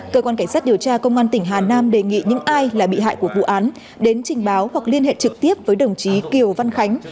cơ quan cảnh sát điều tra công an tỉnh hà nam đề nghị những ai là bị hại của vụ án đến trình báo hoặc liên hệ trực tiếp với đồng chí kiều văn khánh